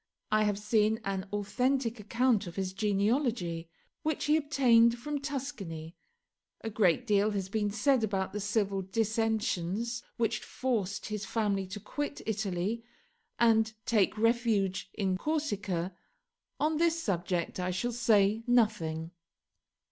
I have seen an authentic account of his genealogy, which he obtained from Tuscany. A great deal has been said about the civil dissensions which forced his family to quit Italy and take refuge in Corsica. On this subject I shall say nothing.